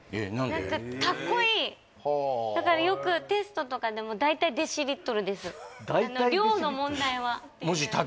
何かかっこいいだからよくテストとかでも大体デシリットルです大体デシリットル？